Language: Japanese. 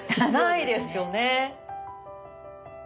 ないですよね。